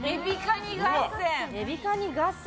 エビカニ合戦？